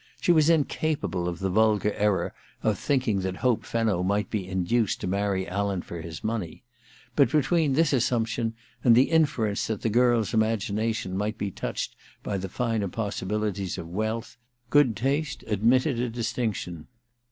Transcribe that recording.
She was in capable of the vulgar error of thinking that Hope Fenno might be induced to marry Alan for his money ; but between this assumption and the inference that the girl's imagination might be touched by the finer possibilities of wealth, good taste adniitted a distinction.